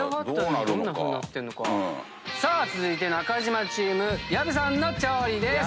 さあ続いて中島チーム薮さんの調理です。